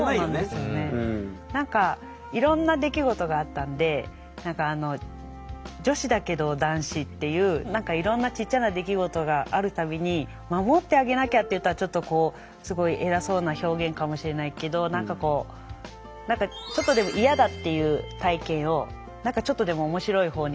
何かいろんな出来事があったんで女子だけど男子っていういろんなちっちゃな出来事がある度に「守ってあげなきゃ」って言ったらちょっとこうすごい偉そうな表現かもしれないけど何かこうおもしろいほうに。